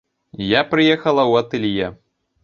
Я прыехала ў атэлье.